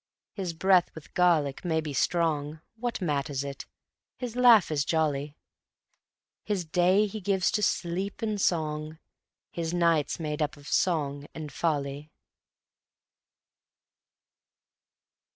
His breath with garlic may be strong, What matters it? his laugh is jolly; His day he gives to sleep and song: His night's made up of song and folly.